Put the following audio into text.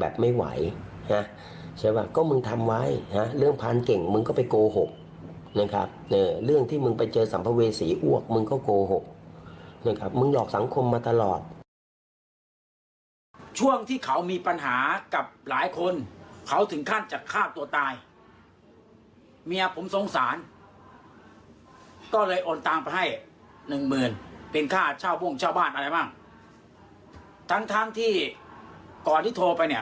แบบไม่ไหวนะใช่ไหมก็มึงทำไว้นะเรื่องพันธุ์เก่งมึงก็ไปโกหกนะครับเรื่องที่มึงไปเจอสัมภเวษีอวกมึงก็โกหกนะครับมึงหลอกสังคมมาตลอดช่วงที่เขามีปัญหากับหลายคนเขาถึงขั้นจะฆ่าตัวตายเมียผมสงสารก็เลยโอนตังไปให้หนึ่งหมื่นเป็นค่าเช่าบ่งเช่าบ้านอะไรบ้างทั้งทั้งที่ก่อนที่โทรไปเนี่ย